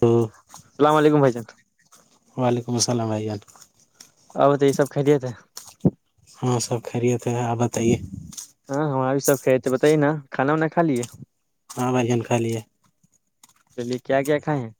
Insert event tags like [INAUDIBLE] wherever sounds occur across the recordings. ہاں السلام علیکم بھائی جان وعلیکم السلام بھائی آ اب تو یہ سب خھرییے تھے ہاں سب خریےت آپ بتائیے ہاں ہاںاں بھی سب کھ تھے بتائیے نا کھانا وانا کا لیے [UNINTELLIGIBLE] چلیے کیا کیا کھائے ہیں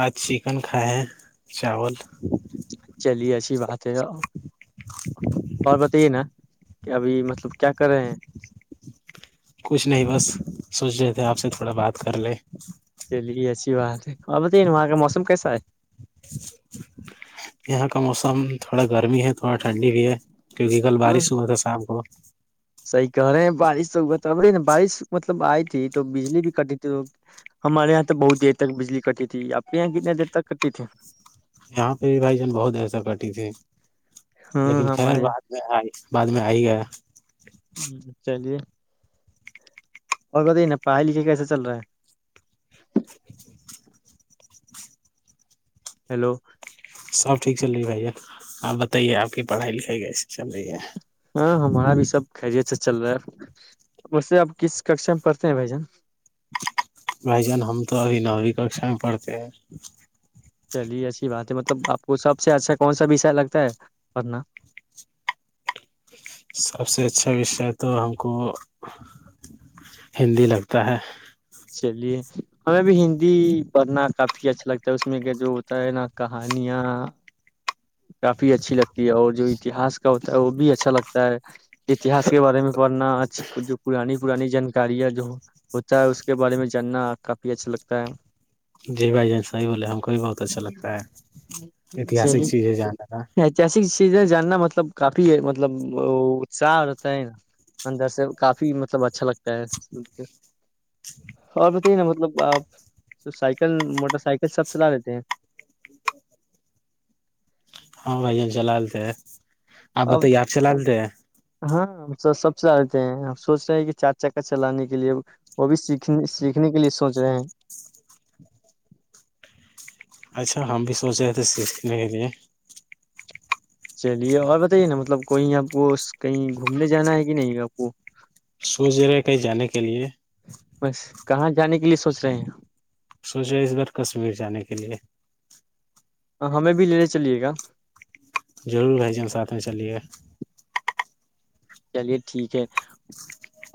آج چکن کھائے ہیں چاول چلیے اچھی بات ہے اور بتے نا کہ ابھی مطلب کیا کر رہے ہیں کچھ نہیں بس سوچ رہے تھے آپ سے تھوڑا بات کر لیں اچھی بات ہے آپ بتائیے نا وہاں کا موسم کیسا ہے یہاں کا موسم تھوڑا گرمی ہے تھوڑا ٹھنڈی بھی ہے کیونکہ کل ہاں بارش ہوا تھا شام کو صحیح کہہ رہے ہیں بارش تو ب رہی نا بارش مطلب آئی تھی تو بجلی بھی کٹی تھی تو ہمارے یہاں تو بہت دیر تک بجلی کٹی تھی آپ کے یہاں کتنے دیر تک کٹی تھی یہاں پہ بھی بھائی جان بہت ایسا کرتی تھے ہاں لیکن خیر ہمارے بعد میں ہے بعد میں آئی گیا چلیے اور کہت نا پڑھائی لکھائی کیسے چل رہا ہے [INAUDIBLE] ہیلو سب ٹھیک چل رہی ہے بھیا آپ بتائیے آپ کی پڑھائی لکھائی کیسیے چل رہی ہے ہاں ہمارا بھی سب خے سے چل رہا ہے ویسے اب کس ککشا میں پڑھتے ہیں بھ جان رہی جان ہم تو ابھی نوویں ککا میں پڑھتے ہیں [INAUDIBLE] چلیے اچھی بات ہے مطلب آپ کو سب سے اچھا کون سا وشے لگتا ہے پھنا سب سے اچھا وشے تو ہم کو ہندی لگتا ہے چلیے ہمیں بھی ہندی پڑھنا کافی اچھا لگتا ہے اس میں کیا جو ہوتا ہے نا کہانیاں کافی اچھی لگتی ہے اور جو اتہاس کا ہوتا ہے وہ بھی اچھا لگتا ہے اتہاس کے بارے میں بورننا آچ جو پاانی پرانی جانکاریاں جو ہوتا ہے اس کے کے بارے میں جاننا کافی اچھا لگتا ہے جی بھائی جان صحیح بولے ہم کو بھی بہت اچھا لگتا ہے ایتہاسک چلیے چیز ہے جاننے کا ایتہسک چیزیں جاننا مطلب کافی مطلب اتساہ رہتا ہے نا اندر سے کافی مطلب اچھا لگتا ہے س اور بتائیے نا مطلب آپ سائیکل موٹر سائیکل سب چلا لیتے ہیں ہاں بھائی ہم چلا لیتے ہیں آپ اب بتائی یار چلا رہتے ہیں تے ہیں ہم سوچ رہے ہیں کہ چار چکر چلانے کے لیے وہ بھی سیکھنے سیکھنے کے لیے سوچ رہے ہیں اچھا ہم بھی سوچ رہے تھے سیک نہیںے چلیے اور بتائیے نا مطلب کوئی آپ کو کہیں گھومنے جانا ہے کہ نہیں آپ کو سوچ رہے ہیں کہیں جانے کے لیے بس کہاں جانے کے لیے سوچ رہے ہیں سوچ رہے اس بار کشمیر جانے کے لیے ہمیں بھی لینے چلیے گا ضرور بھ جان ساتھ میں چلیے چلیے ٹھیک ہے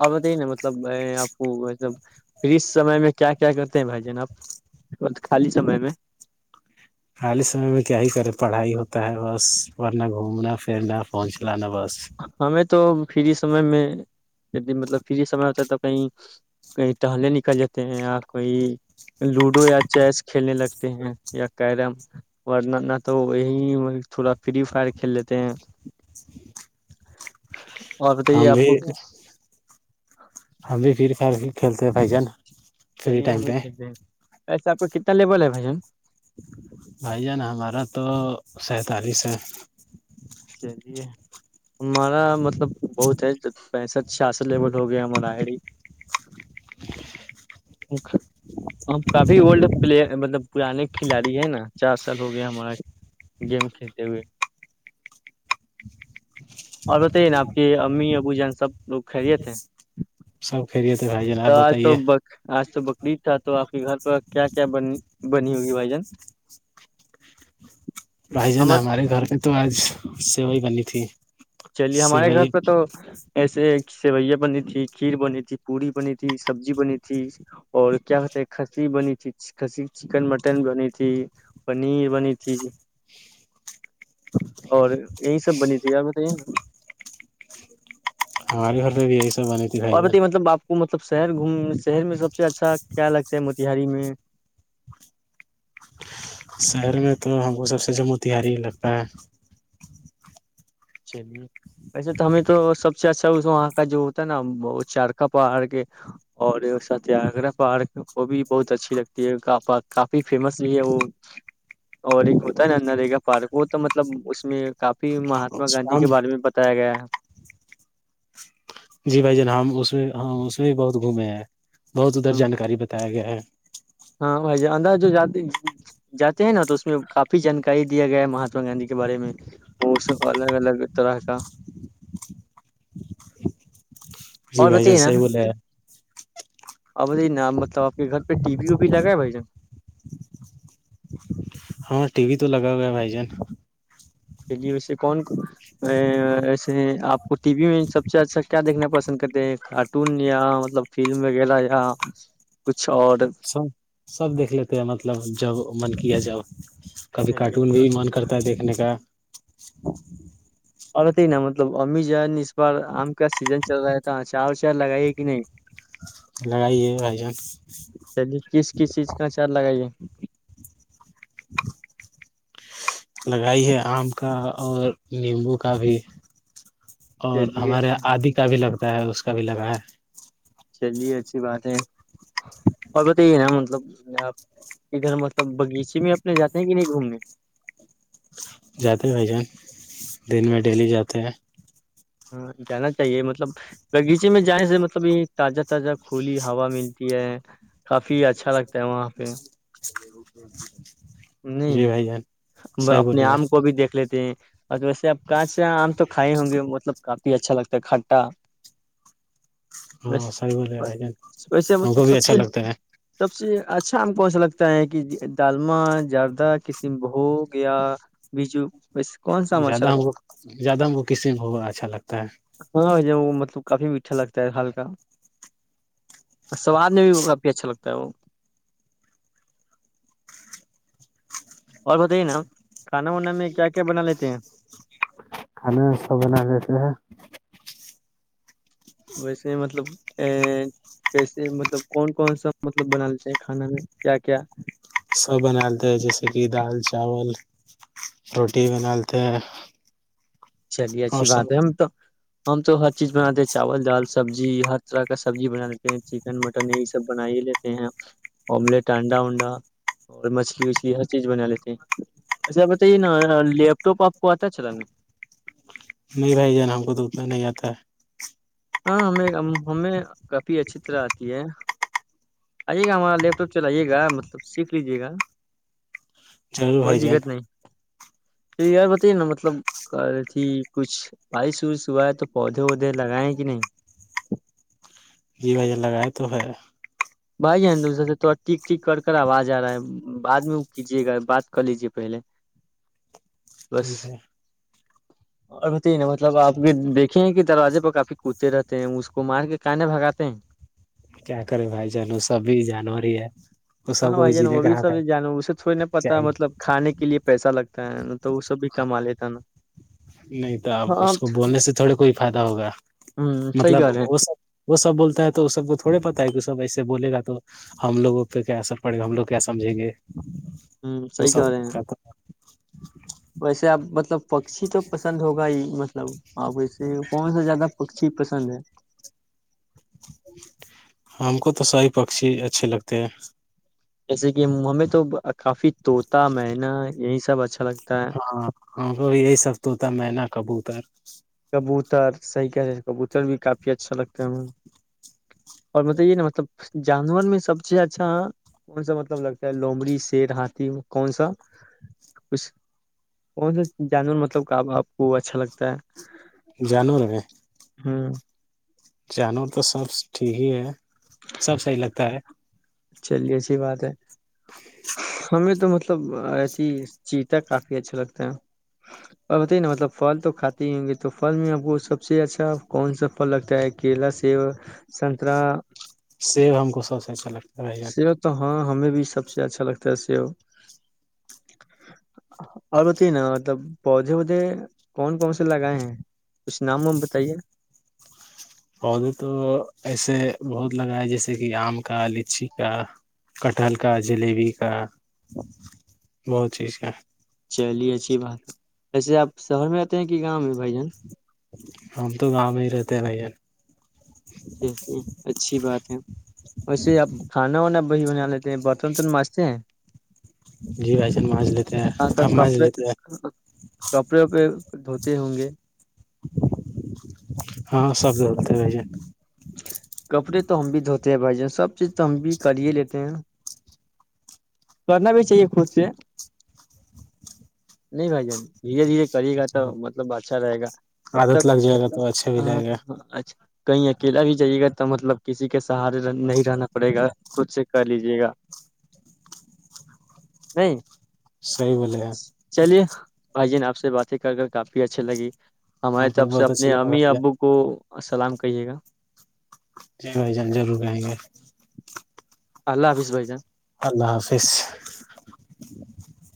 آپ بتائیے نا مطلب آپ کو مطلب پھر اس سمے میں کیا کیا کرتے ہیں بھائی جان آپ خالی سمئے میں خالی سمے میں کیا ہی کرے پڑھائی ہوتا ہے بس ورنہ گھومنا پھرنا پہنچ چلانا بس ہمیں تو فری سمے میں مطلب فری سمے ہوتا ہے تو کہیں کہیں ٹہلنے نکل جاتے ہیں یا کوئی لوڈو یا چیس کھیلنے لگتے ہیں یا کیرم ورنہ نہ تو وہی تھوڑا فری فائر کھیل لیتے ہیں [INAUDIBLE] اور بتائیے ہم آپ کو بھی ہم بھی فری فائر کھیلتے پائی جاانا چلیے ہم بھی کھیلتے ہیں ایسے آپ کو کتنا لیبول ہے بھ جن بھائی جان ہمارا تو سینتالیس ہے چلیے ہمارا مطلب بہت ہے پینسٹ سھیاسٹ لیبول ہو گیا ہماراری ہم کافی وولڈ پلیئر مطلب پرانے کھلاڑی ہیں نا چار سال ہو گیا ہمارا گیم کھیلتے ہوئے اور بتائیے نا آپ کے امی ابو جان سب لوگ کھیلے تھے سوک تو آ تو بک آج تو بک ف تھا تو آپ کے گھر پ کیا کیا ب بنی ہوگی بھائی جن بھائی جان ہمارے گھر پہ تو آج سیو ہی بنی تھی چلیے ہمارے سیوئی گھر پہ تو ایسے سیوئیاں بنی تھی کھیر بنی تھی پوی بنی تھی سبزی بنی تھی اور کیا کہتے ہے کھسی بنی تھی ک چکن مٹن بنی تھی پنیر بنی تھی اور یہی سب بنی تھی اور تین ہماری گھرد بھی ہے اور بت مطلب آپ کو م مطلب شہر گھومنے شہر میں سب سے اچھا کیا لگتا ہے موتیہاری میں [INAUDIBLE] شہر میں تو ہم کو سب سے جو موتہاری لگتا ہے چلی ویسے تو ہمیں تو سب سے اچھا وہاں کا جو ہوتا ہے نا چارکا پارک اور ستیاگرہ پارک وہ بھی بہت اچھی لگتی ہے کافی فیمس بھی ہے وہ اور ایک ہوتا ہے نا نرگا پارک وہ تو مطلب اس میں کافی م ماتما گاندھی ہم کے بارے میں بتایا گیا ہے [INAUDIBLE] جی بھائی جن ہم اس میں ہاں اس میں بھی بہت گھومے ہیں بہت ادھر ہے جانکاری بتایا گیا ہے [INAUDIBLE] ہاں انداز جات جاتے ہیں نا تو اس میں کافی جانکاری دیا گیا ہے مہاتما گاندھی کے بارے میں الگ الگ طرح کا [UNINTELLIGIBLE] جی بھائی جان صح بول رہے ا بائی ن مطلب آپ کے گھر پہ ٹی وی وبی لگا ہے بھائی جان ہاں ٹی وی تو لگا ہو گیا بھائی جان چلیے ویس کون ایسے آپ کو ٹی وی میں سب سے اچھا کیا دیکھنا پسند کرتے ہیں کارٹون یا مطلب فلم وغیرہ یا کچھ اور سب سب دیکھ لیتے ہیں مطلب جب [UNINTELLIGIBLE] من کیا جاؤ کبھی چلیے کارٹون اچھی بھی بات من کرتا ہے دیکھنے کا ہاں [INAUDIBLE] پتے ہی نا مطلب امی جان اس بار آم کا سیزن چل رہا تھا چار و چار لگائیے کہ نہیں [INAUDIBLE] لڑائی ہے بھائی جان [INAUDIBLE] چلیے کس کس چیز کا اچار لگائیے لگائی ہے آم کا اور نیمبو کا بھی [INAUDIBLE] اور چلیے ہمارے یہاں آد [INAUDIBLE] اس کا بھی لگتا ہے اس کا بھی لگا ہے [INAUDIBLE] چلیے اچھی بات ہے اور بتائیے نا مطلب آپ ادھر مطلب بغیچے میں اپنے جاتے ہیں کہ نہیں گھومنے [INAUDIBLE] جاتے ہیں بھائی جان دن میں ڈیلی جاتے ہیں [INAUDIBLE] ہاں جانا چاہیے مطلب بغیچے میں جانے سے مطلب یہ تازہ تازہ کھلی ہوا ملتی ہے کافی اچھا لگتا ہے وہاں پہ [INAUDIBLE] جی نہیں بھائی جان صحیح اپنے بولے ہیں آم کو بھی دیکھ لیتے ہیں [UNINTELLIGIBLE] اور ویسے آپ کانچ یا آم تو کھائے ہوں گے مطلب کافی اچھا لگتا ہے کھٹا [UNINTELLIGIBLE] ہاں بس سر بول ویسے ہم مطلب کو بھی سب اچھا سے لگتا ہے سب سے [UNINTELLIGIBLE] اچھا ہم کو ایسا لگتا ہے کہ دالما [UNINTELLIGIBLE] جرد کسم ہو گیا بیجو [UNINTELLIGIBLE] سا اچھا زیادہ ہم لگتا زیادہ ہم کو کس اچھا لگتا ہے [UNINTELLIGIBLE] اچھا لگتا ہے ہلکا اور سواد میں بھی وہ کافی اچھا لگتا ہے وہ [UNINTELLIGIBLE] اور بتائیے نا کھانا وانا میں کیا کیا بنا لیتے ہیں [UNINTELLIGIBLE] کھانا سب بنا لیتے ہیں [UNINTELLIGIBLE] ویسے مطلب ا کیسے مطلب کون کون سا مطلب بنانا چاہ کھانا میں کیا کیا [UNINTELLIGIBLE] سب بنالتے ہیں جیسے کہ دال چاول روٹی بنالتے ہیں [UNINTELLIGIBLE] چلیے اچھی اور بات سب ہے ہم تو [UNINTELLIGIBLE] ہم تو ہر چیز بناتے ہیں چاول دال سبزی ہر طرح کا سبزی بنا لیتے ہیں چکن مٹن یہی سب بنا ہی لیتے ہیں آملیٹ انانڈا ونڈا اور مچھلی وچھلی ہر چیز بنا لیتے ہیں اچھا بتائیے نا لیپ ٹاپ آپ کو آتا ہے چلا [UNINTELLIGIBLE] نہیں بھائی جان ہم کو تو اتنا نہیں آتا ہے [UNINTELLIGIBLE] ہاں ہمیں ہمیں کافی اچھی طرح آتی ہے آئیے گا ہمارا لیپ ٹاپ چلئیے گا مطلب سیکھ لیجے گا ضرور بھائی جان جی اور بتائیے نا مطلب اھی کچھ بارش وارش ہوا ہے تو پودے وودے لگائے کہ نہیں جی میں نے لگائے تو ہے بھائی دوسرے سے تھوڑا ٹیک ٹیک کر کر آواز آ رہا ہے بعد میں وہ کیجے گا بات کر لیجے پہلے بس ٹھیک ہے [UNINTELLIGIBLE] اور بتایے نا آپ دیکھے ہیں کہ دروازے پر کافی کوتے رہتے ہیں اس کو مار کے کان بھگاتے ہیں کیا کرے بھائی جان سبھی جانور ہی ہے وہ ہاں سب کو بھائی جان وہ جینے بھی کا حق سب ہے جان اسے تھوڑی نہا پتا چاہیے مطلب کھے کے لیے پیسہ لگتا ہے نا تو وہ سب بھی کما لیتا نا نہیں تو اب ہاں اس کو بولنے سے تھوڑے کوئی فائدہ ہوگا ہ صحیح مطلب کہہ رہے ہیں وہ سب وہ سب بولتا ہے تو وہ سب کو تھوڑے پتہ ہے کہ سب ایسے بول گا تو ہم لوگوں پہ کیا اثر پڑے گا ہم لوگ کیا سمھیں گے [UNINTELLIGIBLE] ہوں وہ صحی کہ سب رہے ہیں [UNINTELLIGIBLE] کا ویسے آپ مطلب پکشی تو پسند ہوگا ہی [UNINTELLIGIBLE] مطلب [UNINTELLIGIBLE] آپ کو یونورسڑی میں کون سا زیادہ [UNINTELLIGIBLE] کون سی چیز پسند ہے [UNINTELLIGIBLE] ہم کو تو ساہ پکشی اچھے لگتے ہیں جیسے کہ ہمیں تو کافی طوطا مین یہی سب اچھا لگتا ہے ہاں ہاں کو یہی سب تو تھا میں نہ کبو پرر [UNINTELLIGIBLE] کبوتر صحیح کہ کبوتر بھی کافی اچھا لگتا ہے ہم اور مطلب یہ نا مطلب جانور میں سب سے اچھا کون سا مطلب لگتا ہے لومڑی شیر ہاتھی کون سا کچھ کون سا جانور مطلب آپ کو اچھا لگتا ہے جانور میں ہاں جانور تو سب ٹھیک ہی ہے سب صحی لگتا ہے چلیے اچیح بات ہے ہمیں تو مت [UNINTELLIGIBLE] کافی اچھا لگتا ہے اور بتائیے نا مطلب پھل تو کھاتے ہی ہوں گے تو پھل میں آپ کو سب سے اچھا کون سا پھل لگتا ہے کیلا سیب سنترا سیب ہم کو سب سے اچھا لگتا ہے بھائی س جان تو ہاں ہمیں بھی سب سے اچھا لگتا ہے سو اور بتے نا مطلب پودے وودے کون کون سے لگائے ہیں اس نام میں ہم بتائیے پودے تو ایسے بہت لگا ہے جیسے کہ آم کا لچی کا کٹہل کا جلیبی کا بہت چیز کا چلیے اچھی بات ہے جیسے آپ شہر میں آتے ہیں کہ گاؤں میں بھائی جان ہم تو گاؤں میں ہی رہتے ہیں ب ج ج اچھی بات ہے ویسے اب کھانا وانا وہی بنا لیتے ہیں برتن تون مانچتے ہیں جی بھائی جان مانج لیتے ہیں ہاں تو آپ مانج کپڑے لیتے ہیں کپڑے وپڑے دھوتے ہوں گے سبولتے رہ ج کپڑے تو ہم بھی دھوتے ہیں بھائی جن سب چیز تو ہم بھی کر ہی لیتے ہیں کرنا بھی چاہیے خود سے نہیں بھائی جان دھیرے دھیرے کرے گا تو مطلب اچھا رہے گا اب تک عادت لگ جائے گا تو اچھا بھی ہاں لگے گا ہاں اچھا کہئی اکیلا بھی جائیے گا تو مطلب کسی کے سہارے نہیں رہنا پڑے گا کچھ سے کر لیجیے گا نہیں صی بولے ہیں چلیے بھائی جن آپ سے باتیں کر کر کافی اچھے لگی ہاں ہماری طرف سے بہت اچھا اپنے لگا امی بھائی جان ابو کو اور سلام کہیے گا جی بھائی جان ضرور گائیں گے اللہ حافظ بھائی جان اللہ حافظ [UNINTELLIGIBLE]